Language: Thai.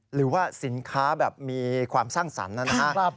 หรือว่าสินค้าแบบมีความสร้างสรรค์นะครับ